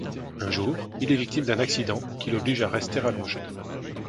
Un jour il est victime d'un accident, qui l'oblige à rester allongé.